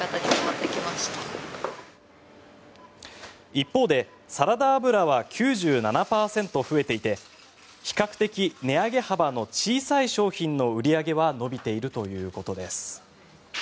一方でサラダ油は９７％増えていて比較的値上げ幅の小さい商品の売り上げは伸びているということです。